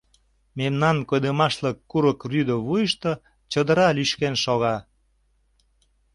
Мемнан койдымашлык курык рӱдӧ вуйышто чодыра лӱшкен шога.